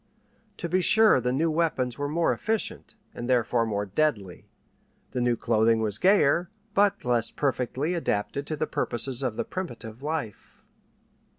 To be sure the new weapons were more efficient, and therefore more deadly; the new clothing was gayer, but less perfectly adapted to the purposes of primitive life.